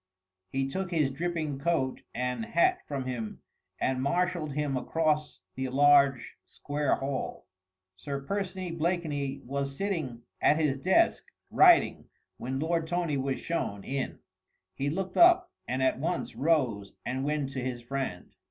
He took his dripping coat and hat from him and marshalled him across the large, square hall. Sir Percy Blakeney was sitting at his desk, writing, when Lord Tony was shown in. He looked up and at once rose and went to his friend.